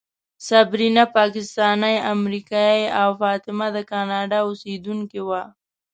صبرینا پاکستانۍ امریکایۍ او فاطمه د کاناډا اوسېدونکې وه.